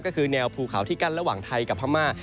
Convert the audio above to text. ก็คือแนวภูเขาที่กั้นระหว่างไทยกับพม่า